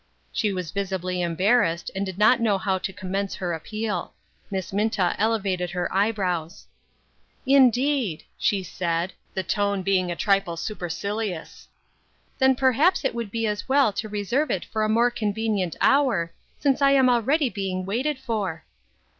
She was visibly embarrassed, and did not know how to commence her appeal. Miss Minta ele vated her eyebrows. " Indeed," she said, the tone being a trifle super cilious ; "then perhaps it would be as well to reserve it for a more convenient hour, since I am already being waited for."